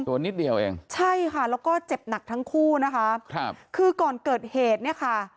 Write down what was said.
ตัวนิดเดียวเองใช่ค่ะแล้วก็เจ็บหนักทั้งคู่นะคะครับคือก่อนเกิดเหตุเนี่ยค่ะ